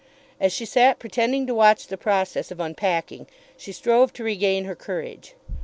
As she sat pretending to watch the process of unpacking, she strove to regain her courage.